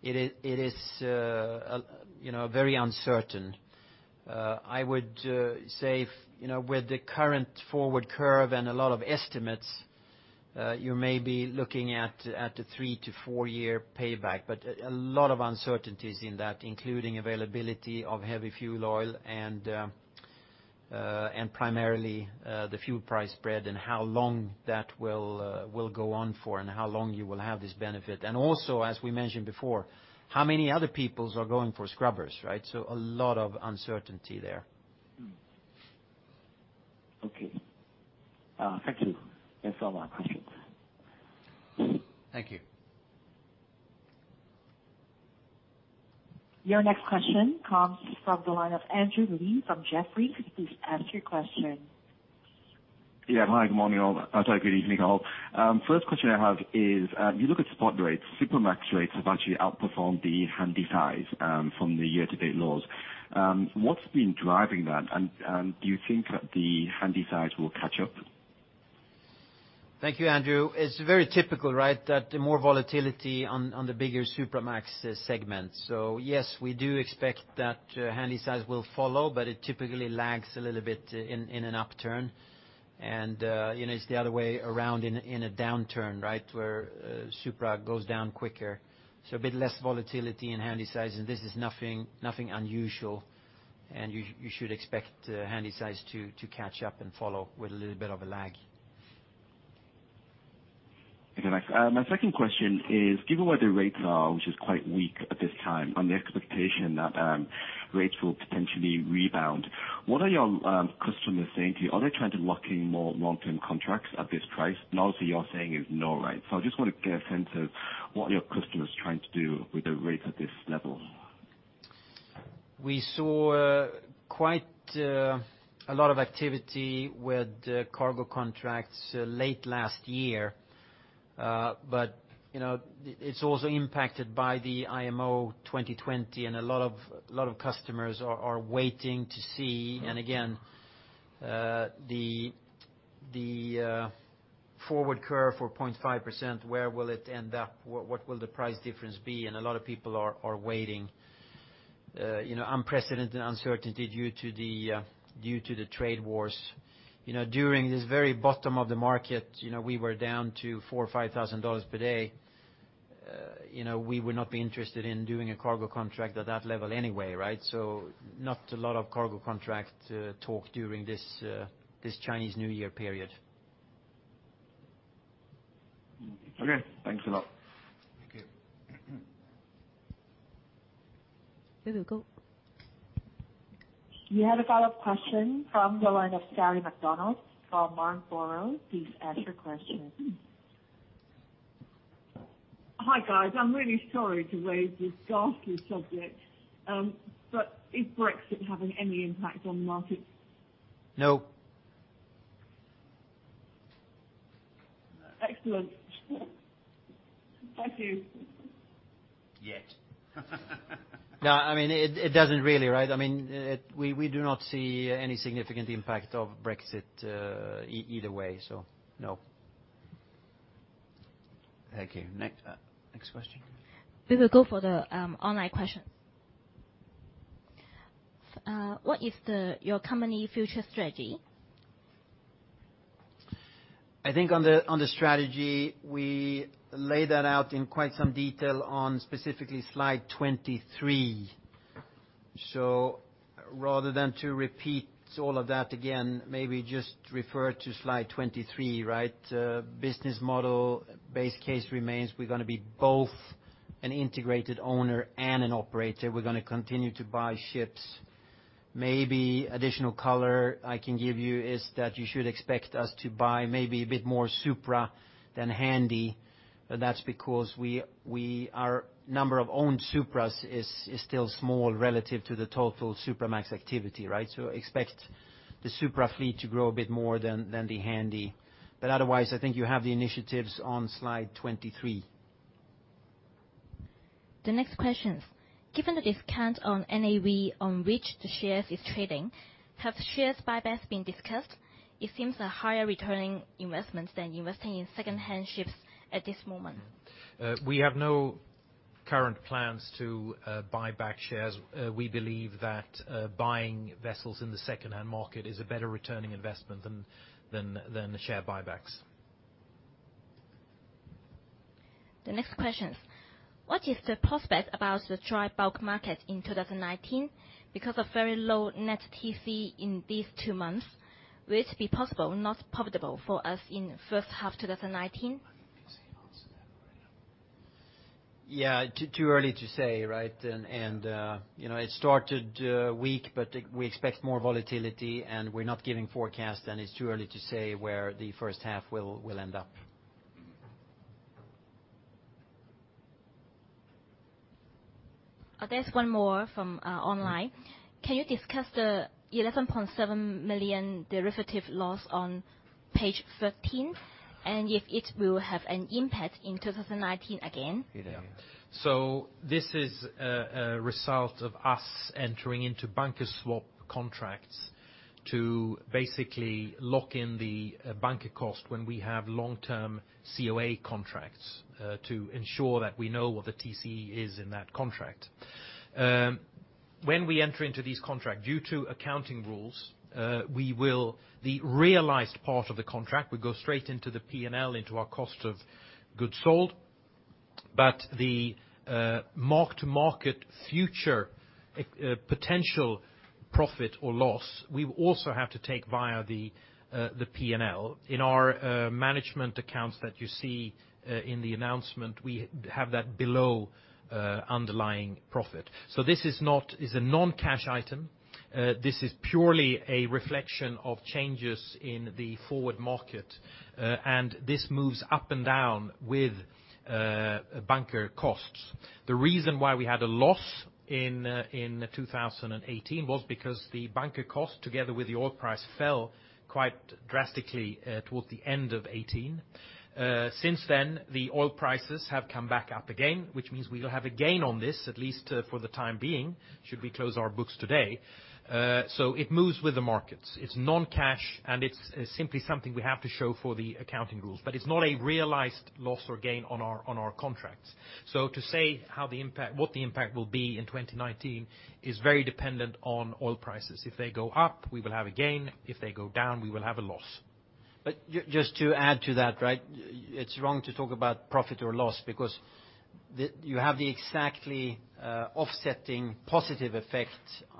S3: it is very uncertain. I would say with the current forward curve and a lot of estimates, you may be looking at a three to four-year payback, but a lot of uncertainties in that, including availability of heavy fuel oil and primarily, the fuel price spread and how long that will go on for and how long you will have this benefit. Also, as we mentioned before, how many other peoples are going for scrubbers, right? A lot of uncertainty there.
S8: Okay. Thank you. That's all my questions.
S3: Thank you.
S1: Your next question comes from the line of Andrew Lee from Jefferies. Please ask your question.
S9: Yeah. Hi, good morning all. Sorry, good evening all. First question I have is, you look at spot rates, Supramax rates have actually outperformed the Handysize from the year-to-date lows. What's been driving that and do you think that the Handysize will catch up?
S3: Thank you, Andrew. It's very typical that the more volatility on the bigger Supramax segment. Yes, we do expect that Handysize will follow, but it typically lags a little bit in an upturn. It's the other way around in a downturn where Supramax goes down quicker. A bit less volatility in Handysize, this is nothing unusual and you should expect Handysize to catch up and follow with a little bit of a lag.
S9: Okay, thanks. My second question is given where the rates are, which is quite weak at this time, on the expectation that rates will potentially rebound, what are your customers saying to you? Are they trying to lock in more long-term contracts at this price? Obviously you're saying is no. I just want to get a sense of what your customers trying to do with the rate at this level.
S3: We saw quite a lot of activity with cargo contracts late last year. It's also impacted by the IMO 2020 and a lot of customers are waiting to see, and again, the forward curve for 0.5%, where will it end up, what will the price difference be, and a lot of people are waiting. Unprecedented uncertainty due to the trade wars. During this very bottom of the market, we were down to $4,000, $5,000 per day. We would not be interested in doing a cargo contract at that level anyway. Not a lot of cargo contract talk during this Chinese New Year period.
S9: Okay. Thanks a lot.
S3: Thank you.
S1: We will go. We have a follow-up question from the line of Sally MacDonald from Marlborough. Please ask your question.
S7: Hi, guys. I'm really sorry to raise this ghastly subject. Is Brexit having any impact on the markets?
S3: No.
S7: Excellent. Thank you.
S3: Yet. No, it doesn't really. We do not see any significant impact of Brexit either way, no. Thank you. Next question.
S1: We will go for the online questions. What is your company future strategy?
S3: I think on the strategy, we laid that out in quite some detail on specifically slide 23. Rather than to repeat all of that again, maybe just refer to slide 23, right? Business model base case remains, we're going to be both an integrated owner and an operator. We're going to continue to buy ships. Maybe additional color I can give you is that you should expect us to buy maybe a bit more Supramax than Handysize. That's because our number of owned Supras is still small relative to the total Supramax activity, right? Expect the Supramax fleet to grow a bit more than the Handysize. Otherwise, I think you have the initiatives on slide 23.
S1: The next question. Given the discount on NAV on which the shares is trading, have shares buybacks been discussed? It seems a higher returning investments than investing in secondhand ships at this moment.
S4: We have no current plans to buy back shares. We believe that buying vessels in the secondhand market is a better returning investment than the share buybacks.
S10: The next question. What is the prospect about the dry bulk market in 2019? Because of very low net TCE in these two months, will it be possible, not profitable for us in first half 2019?
S4: Yeah, too early to say, right? It started weak, but we expect more volatility and we're not giving forecast, and it's too early to say where the first half will end up.
S10: There's one more from online. Can you discuss the 11.7 million derivative loss on page 13, and if it will have an impact in 2019 again?
S4: This is a result of us entering into bunker swap contracts to basically lock in the bunker cost when we have long-term COA contracts to ensure that we know what the TCE is in that contract. When we enter into this contract, due to accounting rules, the realized part of the contract would go straight into the P&L into our cost of goods sold. The mark-to-market future potential profit or loss, we also have to take via the P&L. In our management accounts that you see in the announcement, we have that below underlying profit. This is a non-cash item. This is purely a reflection of changes in the forward market. This moves up and down with bunker costs. The reason why we had a loss in 2018 was because the bunker cost, together with the oil price, fell quite drastically towards the end of 2018. Since then, the oil prices have come back up again, which means we will have a gain on this, at least for the time being, should we close our books today. It moves with the markets. It's non-cash, and it's simply something we have to show for the accounting rules. It's not a realized loss or gain on our contracts. To say what the impact will be in 2019 is very dependent on oil prices. If they go up, we will have a gain. If they go down, we will have a loss.
S3: Just to add to that, right? It's wrong to talk about profit or loss because you have the exactly offsetting positive effect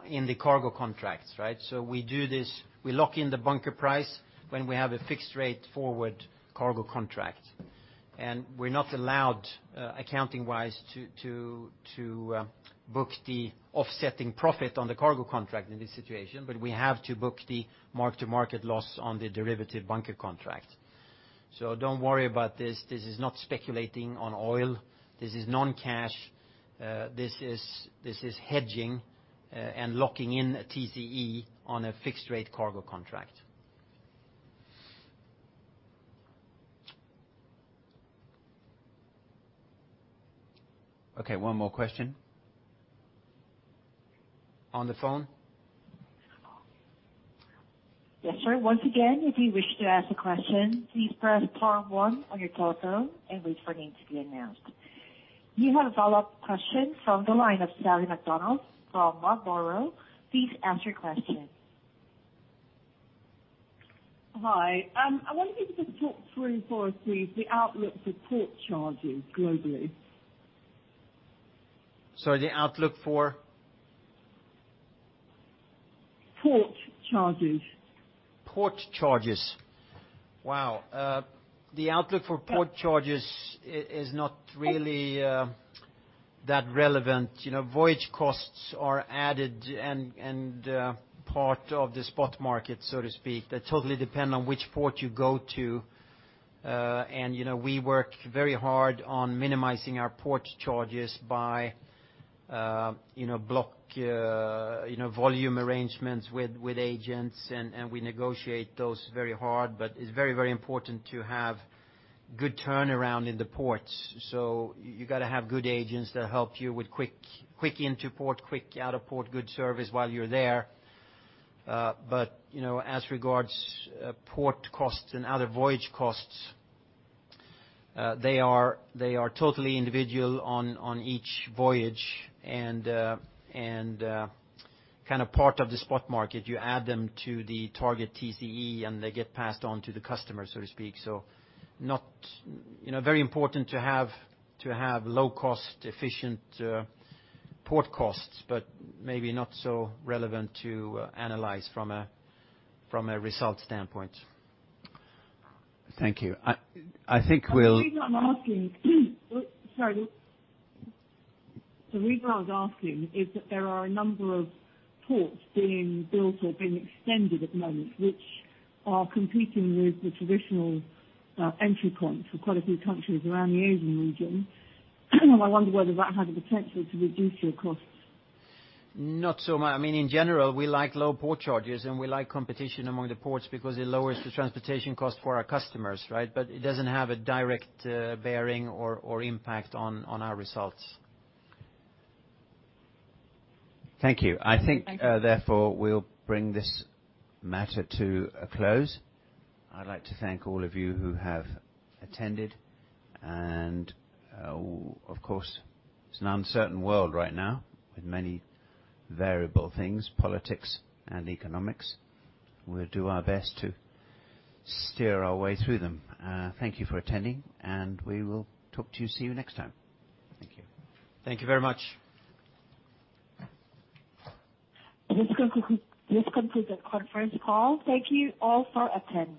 S3: in the cargo contracts, right? We do this, we lock in the bunker price when we have a fixed rate forward cargo contract. We're not allowed, accounting-wise, to book the offsetting profit on the cargo contract in this situation. We have to book the mark-to-market loss on the derivative bunker contract. Don't worry about this. This is not speculating on oil. This is non-cash. This is hedging and locking in a TCE on a fixed rate cargo contract.
S2: Okay, one more question. On the phone?
S1: Yes, sir. Once again, if you wish to ask a question, please press pound one on your telephone and wait for name to be announced. You have a follow-up question from the line of Sally MacDonald from Murro Warro. Please ask your question.
S7: Hi. I wonder if you could talk through for us, please, the outlook for port charges globally.
S3: Sorry, the outlook for?
S7: Port charges.
S3: Port charges. Wow. The outlook for port charges is not really that relevant. Voyage costs are added and part of the spot market, so to speak, that totally depend on which port you go to. We work very hard on minimizing our port charges by block volume arrangements with agents, and we negotiate those very hard. It's very important to have good turnaround in the ports. You got to have good agents that help you with quick into port, quick out of port, good service while you're there. As regards port costs and other voyage costs, they are totally individual on each voyage and kind of part of the spot market. You add them to the target TCE, and they get passed on to the customer, so to speak. Very important to have low cost, efficient port costs, maybe not so relevant to analyze from a result standpoint.
S2: Thank you.
S7: The reason I'm asking sorry. The reason I was asking is that there are a number of ports being built or being extended at the moment, which are competing with the traditional entry points for quite a few countries around the Asian region. I wonder whether that had the potential to reduce your costs.
S3: Not so much. In general, we like low port charges, and we like competition among the ports because it lowers the transportation cost for our customers, right? It doesn't have a direct bearing or impact on our results.
S2: Thank you. I think therefore we'll bring this matter to a close. I'd like to thank all of you who have attended. Of course, it's an uncertain world right now with many variable things, politics and economics. We'll do our best to steer our way through them. Thank you for attending, and we will talk to you soon next time. Thank you.
S3: Thank you very much.
S1: This concludes the conference call. Thank you all for attending.